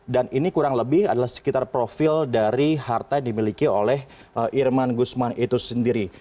dan ini kurang lebih adalah sekitar profil dari harta yang dimiliki oleh irman guzman itu sendiri